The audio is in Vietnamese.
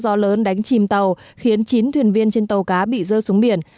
gió lớn đánh chìm tàu khiến chín thuyền viên trên tàu cá bị rơ xuống biển